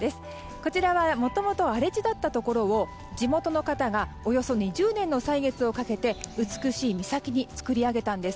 こちらはもともと荒れ地だったところを地元の方がおよそ２０年の歳月をかけて美しい岬に作り上げたんです。